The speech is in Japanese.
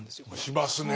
しますね。